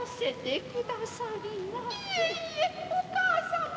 いえいえお母様